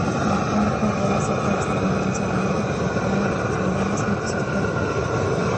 La crónica lleva cierto distanciamiento temporal a lo que se le llama escritos históricos.